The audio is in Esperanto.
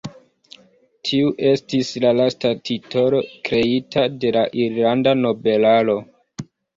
Tiu estis la lasta titolo kreita de la irlanda nobelaro.